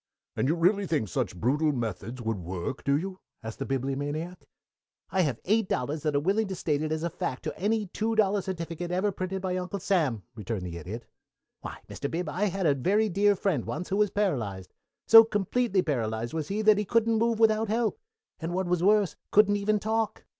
"And you really think such brutal methods would work, do you?" asked the Bibliomaniac. "I have eight dollars that are willing to state it is a fact to any two dollar certificate ever printed by Uncle Sam," returned the Idiot. "Why, Mr. Bib, I had a very dear friend once who was paralyzed. So completely paralyzed was he that he couldn't move without help, and, what was worse, couldn't even talk.